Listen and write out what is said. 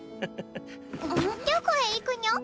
どこへ行くにょ？